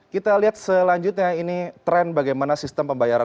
kita lihat selanjutnya ini tren bagaimana sistem pembayaran